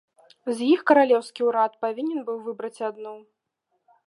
З іх каралеўскі ўрад павінен быў выбраць адну.